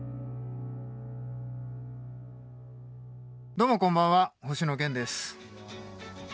どうもこんばんは星野源です。